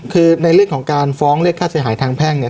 คือในเรื่องของการฟ้องเรียกค่าเสียหายทางแพ่งเนี่ย